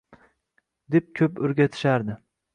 deb ko’p o’rgatishardi